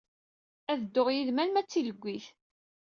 Ad dduɣ yid-m arma d tileggit.